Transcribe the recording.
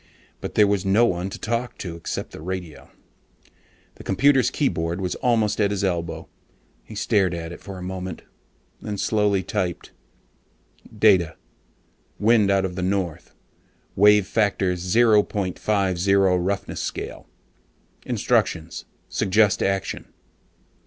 But there was no one to talk to except the radio. The computer's keyboard was almost at his elbow. He stared at it for a moment, then slowly typed: DATA: WIND OUT OF THE NORTH, WAVE FACTOR 0.50 ROUGHNESS SCALE. INSTRUCTIONS: SUGGEST ACTION.